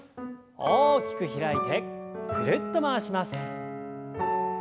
大きく開いてぐるっと回します。